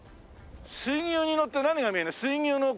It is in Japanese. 水牛に乗って何が見えるの？